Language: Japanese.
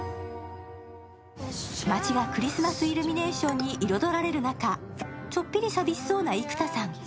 街はクリスマスイルミネーションに彩られる中、ちょっぴり寂しそうな生田さん。